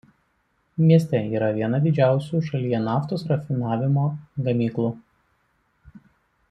Mieste yra viena didžiausių šalyje naftos rafinavimo gamyklų.